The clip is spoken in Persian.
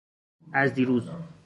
از دیروز